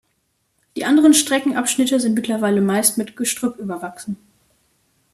Die anderen Streckenabschnitte sind mittlerweile meist mit Gestrüpp überwachsen.